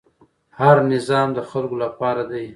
هر نظام د خلکو لپاره دی